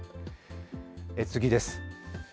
次です。